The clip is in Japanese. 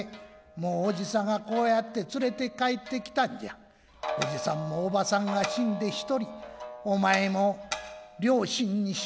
もうおじさんがこうやって連れて帰ってきたんじゃおじさんもおばさんが死んで一人お前も両親に死なれて一人。